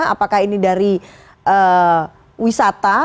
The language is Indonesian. apakah ini dari wisata